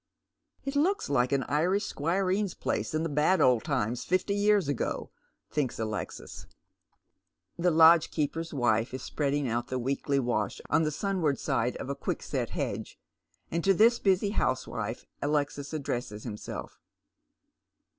" It looks like an Irish squireen's place in the bad old times fifty years ago," thinks Alexis. The lodgekeeper's wife is spreading out the weekly wash on the sunward side of a quickset hedge, and to this busy housewife Alexis addresses himself.